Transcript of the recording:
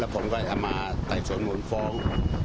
ผมก็จะมาใต้ส่วนนี้ฟ้อง